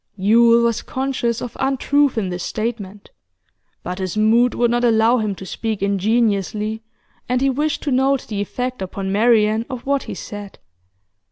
Yule was conscious of untruth in this statement, but his mood would not allow him to speak ingenuously, and he wished to note the effect upon Marian of what he said.